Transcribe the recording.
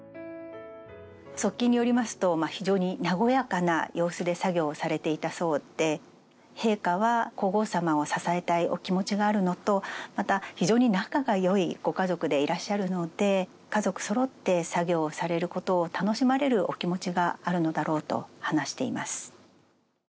側近によりますと非常に和やかな様子で作業をされていたそうで陛下は皇后さまを支えたいお気持ちがあるのとまた非常に仲が良いご家族でいらっしゃるので家族そろって作業をされることを楽しまれるお気持ちがあるのだろうと話しています。